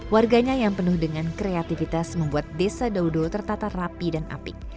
warganya yang penuh dengan kreativitas membuat desa daudo tertata rapi dan apik